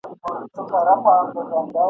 د رحمن بابا د شعر کمال !.